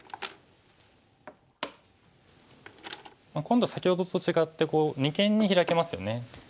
今度先ほどと違って二間にヒラけますよね。